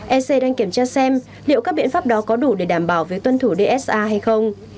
ec đang kiểm tra xem liệu các biện pháp đó có đủ để đảm bảo việc tuân thủ dsa hay không